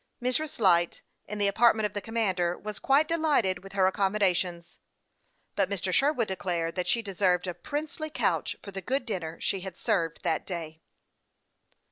Mrs. Light, in the apartment of the commander, was quite delighted with her accommodations ; but Mr. Sherwood declared that she deserved a princely couch for the good dinner she had served that day.